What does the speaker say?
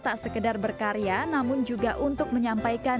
tak sekedar berkarya namun juga untuk menyampaikan